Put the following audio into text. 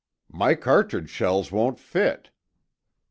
"My cartridge shells won't fit."